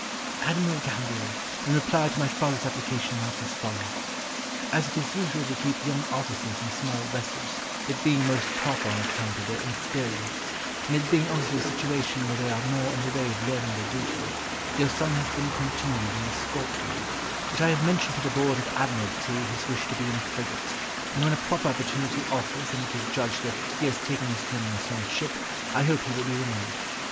"Admiral Gambier, in reply to my father's application writes as follows:—'As it is usual to keep young officers in small vessels, it being most proper on account of their inexperience, and it being also a situation where they are more in the way of learning their duty, your son has been continued in the Scorpion, but I have mentioned to the Board of Admiralty his wish to be in a frigate, and when a proper opportunity offers and it is judged that he has taken his turn in a small ship, I hope he will be removed.